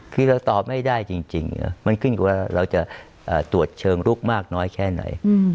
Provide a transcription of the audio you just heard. คือเราตอบไม่ได้จริงมันขึ้นกว่าเราจะตรวจเชิงลุกมากน้อยแค่ไหน